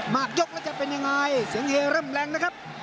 ยกแล้วจะเป็นยังไงเสียงเฮเริ่มแรงนะครับ